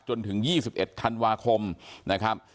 จนถึง๒๑ธันวาคมนะครับ